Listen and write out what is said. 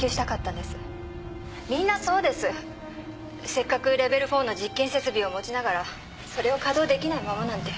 せっかくレベル４の実験設備を持ちながらそれを稼動できないままなんて。